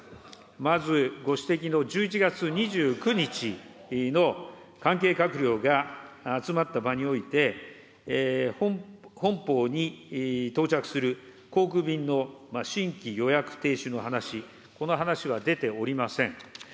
まずご指摘の１１月２９日の関係閣僚が集まった場において、本邦に到着する航空便の新規予約停止の話、この話は出ておりません。